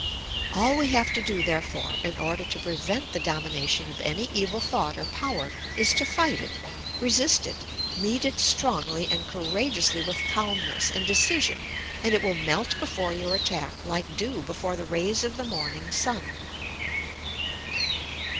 All we have to do, therefore, in order to prevent the domination of any evil thought or power is to fight it, resist it, meet it strongly and courageously with calm ness and decision and it will melt before your attack like dew before the rays of the morning sun.